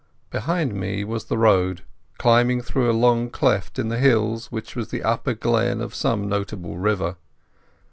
Behind me was the road climbing through a long cleft in the hills, which was the upper glen of some notable river.